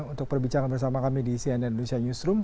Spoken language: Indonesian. untuk perbincangan bersama kami di cnn indonesia newsroom